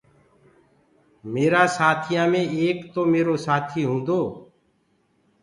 ميرآ سآٿيآ مي ايڪ تو ميرو سآٿيٚ هونٚدو